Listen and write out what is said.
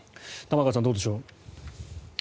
玉川さんどうでしょう。